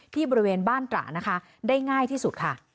ที่บริเวณบ้านตระได้ง่ายที่สุดค่ะ